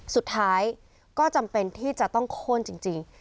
สุดท้ายก็จำเป็นที่จะต้องโค้นจริง